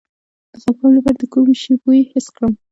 د خپګان لپاره د کوم شي بوی حس کړم؟